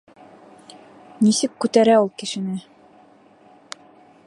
Нисек күтәрә ул кешене!